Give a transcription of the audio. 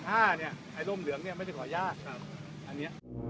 ๕นี่ไอ้ลมเหลืองไม่ได้ขอญาติ